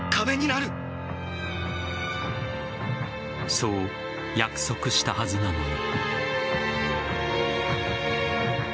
そう約束したはずなのに。